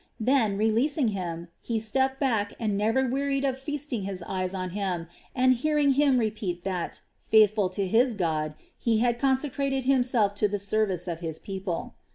Then, releasing him, he stepped back and never wearied of feasting his eyes on him and hearing him repeat that, faithful to his God, he had consecrated himself to the service of his people.